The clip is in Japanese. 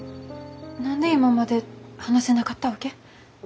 何で今まで話せなかったわけ？